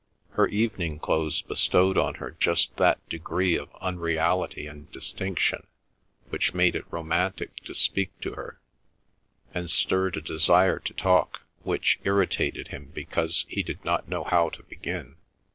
Her evening clothes bestowed on her just that degree of unreality and distinction which made it romantic to speak to her, and stirred a desire to talk, which irritated him because he did not know how to begin.